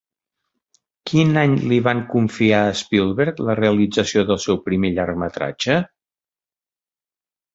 Quin any li van confiar a Spielberg la realització del seu primer llargmetratge?